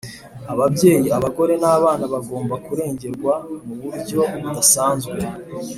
ababyeyi (abagore) n’abana bagomba kurengerwa mu buryo budasanzwe;